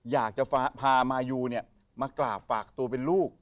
อยากจะพามายูมากราบฝากตัวเป็นลูก